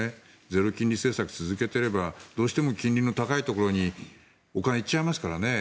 ゼロ金利政策を続けていればどうしても金利の高いところにお金が行っちゃいますからね。